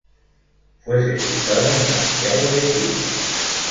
Fue sepultado en Santiago de Chile.